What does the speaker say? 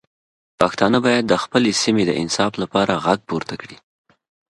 پښتانه باید د خپلې سیمې د انصاف لپاره غږ پورته کړي.